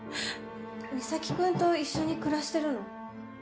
三崎君と一緒に暮らしてるの？